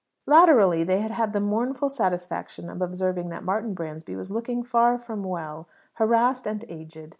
Latterly they had had the mournful satisfaction of observing that Martin Bransby was looking far from well harassed and aged.